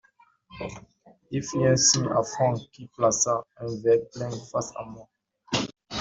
Il fit un signe à Franck qui plaça un verre plein face à moi.